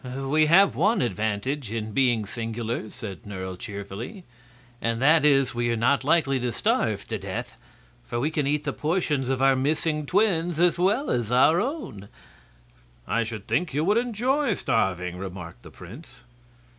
"We have one advantage in being singular," said Nerle, cheerfully; "and that is we are not likely to starve to death. For we can eat the portions of our missing twins as well as our own." "I should think you would enjoy starving," remarked the prince.